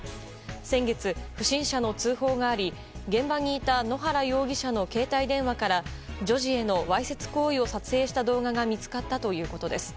先月、不審者の通報があり現場にいた野原容疑者の携帯電話から女児へのわいせつ行為を撮影した動画が見つかったということです。